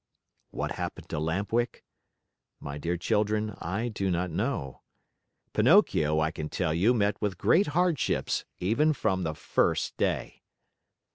What happened to Lamp Wick? My dear children, I do not know. Pinocchio, I can tell you, met with great hardships even from the first day.